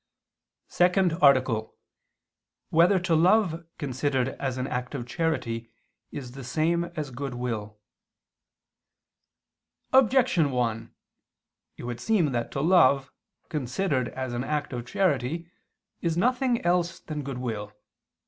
_______________________ SECOND ARTICLE [II II, Q. 27, Art. 2] Whether to Love Considered As an Act of Charity Is the Same As Goodwill? Objection 1: It would seem that to love, considered as an act of charity, is nothing else than goodwill.